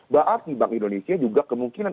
berarti bank indonesia juga kemungkinan